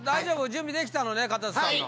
準備できたのねかたせさんの。